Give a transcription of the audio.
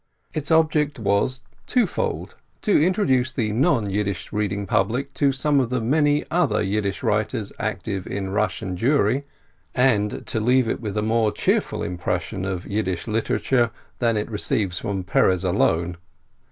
Its object was twofold : to introduce the non Yiddish reading public to some of the many other Yiddish writers active in Russian Jewry, and — to leave it with a more cheerful impression of Yiddish literature than it receives from Perez alone.